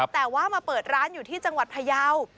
แต่ว่ามาเปิดร้านอยู่ที่จังหวัดพยาว